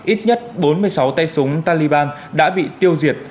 ít nhất bốn mươi sáu tay súng taliban đã bị tiêu diệt